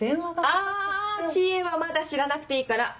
あ知恵はまだ知らなくていいから。